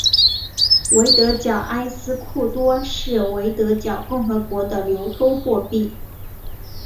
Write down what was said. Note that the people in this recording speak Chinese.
维德角埃斯库多是维德角共和国的流通货币。